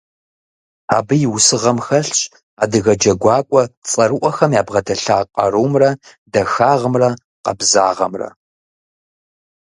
Абы и усыгъэм хэлъщ адыгэ джэгуакӀуэ цӀэрыӀуэхэм ябгъэдэлъа къарумрэ, дахагъымрэ, къабзагъэмрэ.